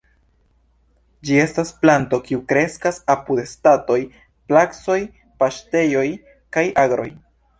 Ĝi estas planto, kiu kreskas apud stratoj, placoj, paŝtejoj kaj agroj.